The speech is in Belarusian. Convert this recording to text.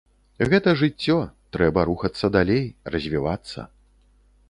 Гэта жыццё, трэба рухацца далей, развівацца.